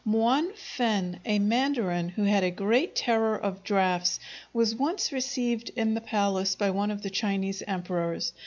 Muan fen, a mandarin who had a great terror of draughts, was once received in the palace by one of the Chinese emperors.